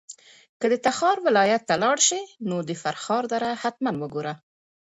که د تخار ولایت ته لاړ شې نو د فرخار دره حتماً وګوره.